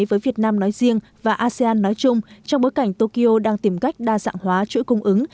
với việt nam nói riêng và asean nói chung trong bối cảnh tokyo đang tìm cách đa dạng hóa chuỗi cung ứng